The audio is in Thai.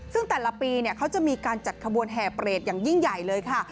ซึ่งแต่ละปีเขาจะมีการจัดขบวนแห่เปรตอย่างยิ่งใหญ่เลยค่ะ